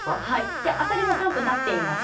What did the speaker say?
あさり３分たっています。